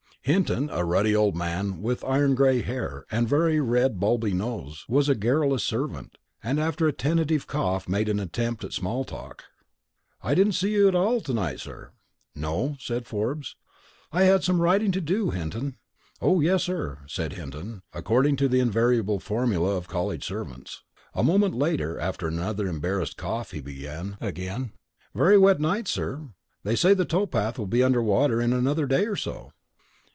Hinton, a ruddy old man with iron gray hair and a very red and bulby nose, was a garrulous servant, and after a tentative cough made an attempt at small talk. "I didn't see you in 'all to night, sir." "No," said Forbes, "I had some writing to do, Hinton." "Oh yes, sir," said Hinton, according to the invariable formula of college servants. A moment later, after another embarrassed cough, he began again. "Very wet night, sir; they say the towpath will be under water in another day or so."